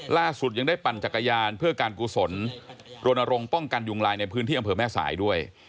ล่าสุดยังได้ปั่นจักรยานเพื่อการกุศลโรนโรงป้องกันยุงลายในพื้นที่อำเภอแม่สายด้วย